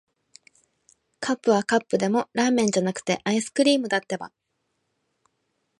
カップはカップでも、ラーメンじゃなくて、アイスクリームだってば。